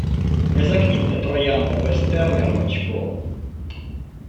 Не заквітне троянда без терня рвачкого.